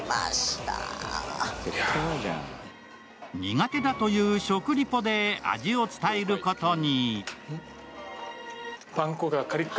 苦手だという食リポで味を伝えることに。